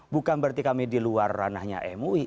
bukan berarti kami di luar ranahnya mui